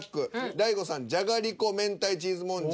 大悟さん「じゃがりこ明太チーズもんじゃ」。